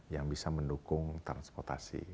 yang bisa mendukung transportasi